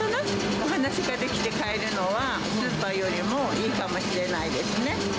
お話ができて買えるのは、スーパーよりもいいかもしれないですね。